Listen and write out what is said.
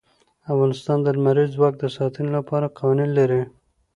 افغانستان د لمریز ځواک د ساتنې لپاره قوانین لري.